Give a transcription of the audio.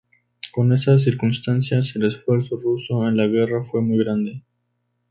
Con esas circunstancias, el esfuerzo ruso en la guerra fue muy grande.